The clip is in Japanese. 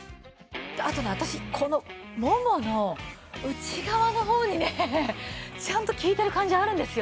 あとね私このももの内側の方にねちゃんと効いている感じがあるんですよ。